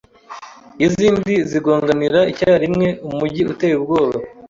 yizindi zigonganira icyarimwe umujyi uteye ubwobo